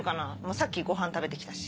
さっきごはん食べてきたし。